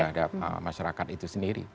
terhadap masyarakat itu sendiri